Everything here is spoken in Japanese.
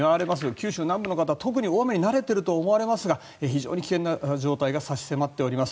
九州南部の方は特に大雨に慣れていると思いますが非常に危険な状態が差し迫っております。